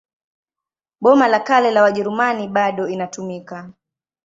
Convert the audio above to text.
Boma la Kale la Wajerumani bado inatumika.